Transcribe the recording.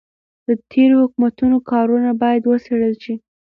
د تېرو حکومتونو کارونه باید وڅیړل شي.